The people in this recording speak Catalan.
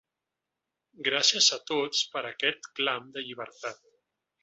Gràcies a tots per aquest clam de llibertat!